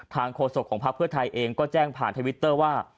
โฆษกของพักเพื่อไทยเองก็แจ้งผ่านทวิตเตอร์ว่า